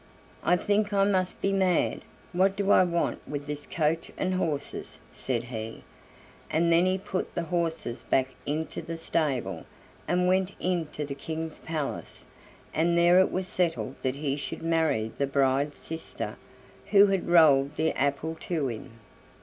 "I think I must be mad! what do I want with this coach and horses?" said he; and then he put the horses back into the stable, and went into the King's palace, and there it was settled that he should marry the bride's sister, who had rolled the apple to him.